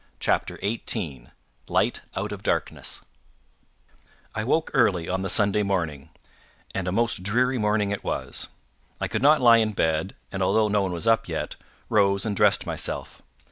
CHAPTER XVIII Light out of Darkness I woke early on the Sunday morning, and a most dreary morning it was. I could not lie in bed, and, although no one was up yet, rose and dressed myself.